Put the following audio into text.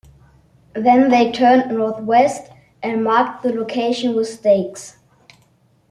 Then they turned northwest and marked the location with stakes.